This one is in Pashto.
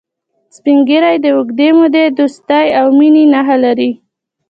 سپین ږیری د اوږدې مودې دوستی او مینې نښې لري